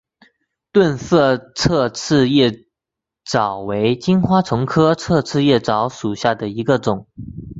钝色侧刺叶蚤为金花虫科侧刺叶蚤属下的一个种。